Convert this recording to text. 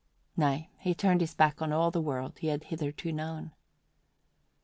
Nay, he turned his back on all the world he had hitherto known.